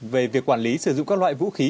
về việc quản lý sử dụng các loại vũ khí